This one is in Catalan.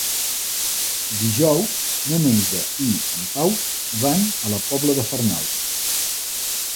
Dijous na Neida i en Pau van a la Pobla de Farnals.